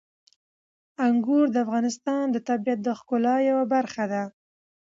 انګور د افغانستان د طبیعت د ښکلا یوه برخه ده.